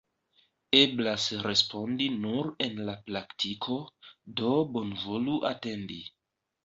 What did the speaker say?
Eblas respondi nur en la praktiko, do bonvolu atendi.